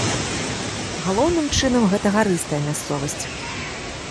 Галоўным чынам гэта гарыстая мясцовасць.